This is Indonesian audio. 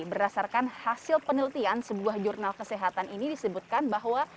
berdasarkan hasil penelitian sebuah jurnal kesehatan ini disebutkan bahwa